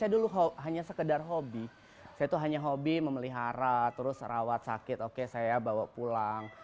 saya dulu hanya sekedar hobi saya itu hanya hobi memelihara terus rawat sakit oke saya bawa pulang